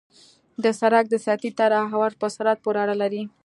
د سرک د سطحې طرح او عرض په سرعت پورې اړه لري